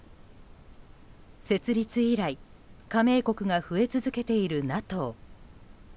設立以来加盟国が増え続けているＮＡＴＯ。